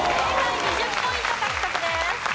２０ポイント獲得です。